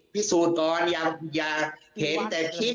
พิสูจน์ก่อนอย่าเห็นแต่คิด